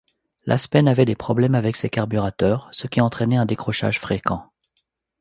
L'Aspen avait des problèmes avec ses carburateurs, ce qui entraînait un décrochage fréquent.